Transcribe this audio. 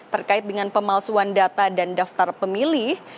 terkait dengan pemalsuan data dan daftar pemilih